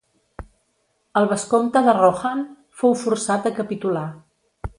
El vescomte de Rohan fou forçat a capitular.